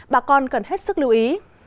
bà con cần hết sức lưu ý